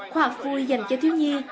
khoa phui dành cho thiếu nhi